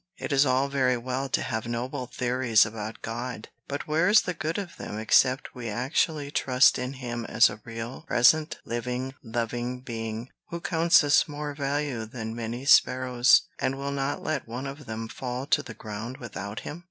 It is all very well to have noble theories about God; but where is the good of them except we actually trust in him as a real, present, living, loving being, who counts us of more value than many sparrows, and will not let one of them fall to the ground without him?